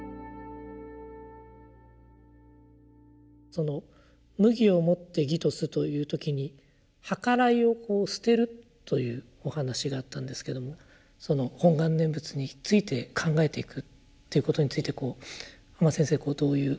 その「無義をもて義とす」という時に「はからいを捨てる」というお話があったんですけどもその「本願念仏」について考えていくということについて阿満先生どういう。